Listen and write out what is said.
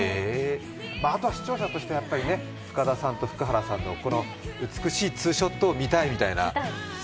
あとは視聴者としては深田さんと福原さんの美しいツーショットを見たいみたいなと。